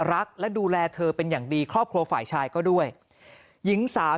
รักและดูแลเธอเป็นอย่างดีครอบครัวฝ่ายชายก็ด้วยหญิงสาว